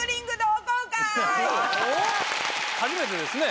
初めてですね